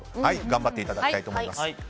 頑張っていただきたいと思います。